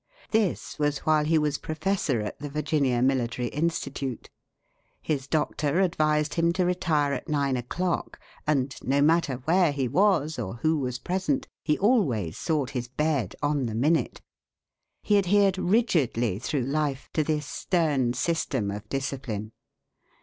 This was while he was professor at the Virginia Military Institute. His doctor advised him to retire at nine o'clock; and, no matter where he was, or who was present, he always sought his bed on the minute. He adhered rigidly through life to this stern system of discipline.